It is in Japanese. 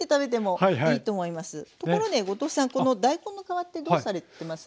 ところで後藤さんこの大根の皮ってどうされてます？